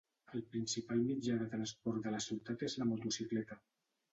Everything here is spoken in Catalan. El principal mitjà de transport de la ciutat és la motocicleta.